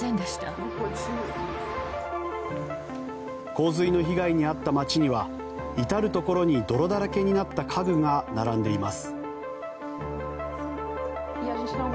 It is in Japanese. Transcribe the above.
洪水の被害に遭った街には至るところに泥だらけになった家具が並んでいます。